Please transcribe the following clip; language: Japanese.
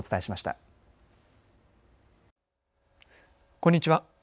こんにちは。